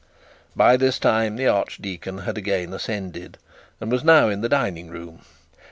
By this time the archdeacon had again ascended, and was now in the dining room.